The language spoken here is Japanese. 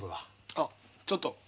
あっちょっと。